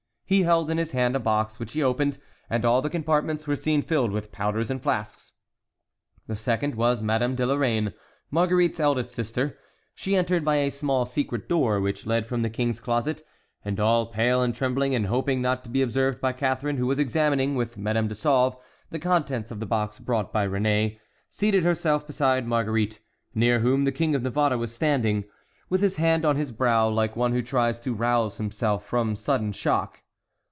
He held in his hand a box, which he opened, and all the compartments were seen filled with powders and flasks. The second was Madame de Lorraine, Marguerite's eldest sister. She entered by a small secret door, which led from the King's closet, and, all pale and trembling, and hoping not to be observed by Catharine, who was examining, with Madame de Sauve, the contents of the box brought by René, seated herself beside Marguerite, near whom the King of Navarre was standing, with his hand on his brow, like one who tries to rouse himself from some sudden shock.